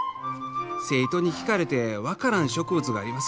生徒に聞かれて分からん植物があります